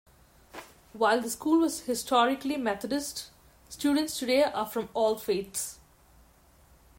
While the school was historically Methodist, students today are from all faiths.